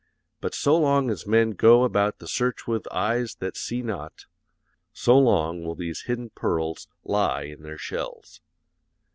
But so long as men go about the search with eyes that see not, so long will these hidden pearls lie in their shells.